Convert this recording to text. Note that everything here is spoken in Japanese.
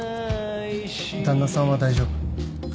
旦那さんは大丈夫？